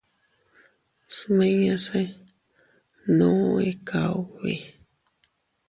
Smiñase nuu ika ubi.